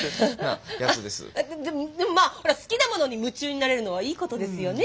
あっででもまあほら好きなものに夢中になれるのはいいことですよね？